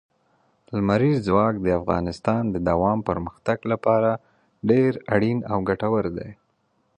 لمریز ځواک د افغانستان د دوامداره پرمختګ لپاره ډېر اړین او ګټور دی.